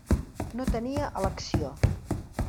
No tenia elecció.